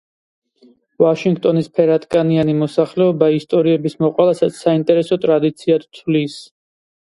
ვაშინგტონის ფერადკანიანი მოსახლეობა ისტორიების მოყოლასაც საინტერესო ტრადიციად თვლის.